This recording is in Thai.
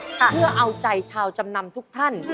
เพื่อเอาใจชาวจำนำทุกท่าน